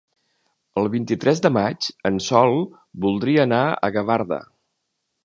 El vint-i-tres de maig en Sol voldria anar a Gavarda.